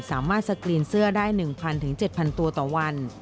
สามารถสกรีนเสื้อได้๑๐๐๗๐๐ตัวต่อวัน